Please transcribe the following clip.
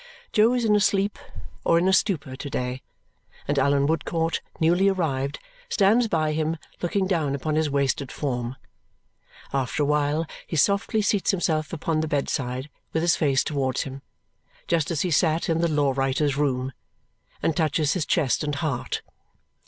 Jo is in a sleep or in a stupor to day, and Allan Woodcourt, newly arrived, stands by him, looking down upon his wasted form. After a while he softly seats himself upon the bedside with his face towards him just as he sat in the law writer's room and touches his chest and heart.